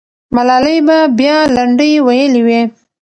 ملالۍ به بیا لنډۍ ویلې وې.